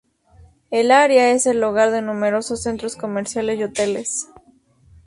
El área es el hogar de numerosos centros comerciales y hoteles.